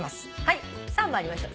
さあ参りましょう。